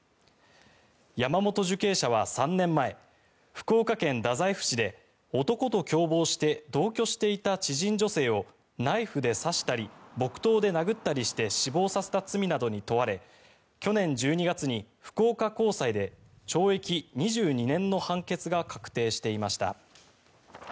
山本受刑者は３年前福岡県太宰府市で男と共謀して同居していた知人女性をナイフで刺したり木刀で殴ったりして死亡させた罪などに問われ去年１２月に福岡高裁で懲役２２年の判決が確定していました。